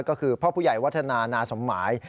ก็คือพ่อผู้ใหญ่วัฒนานาสมหมาย